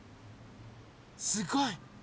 すごい！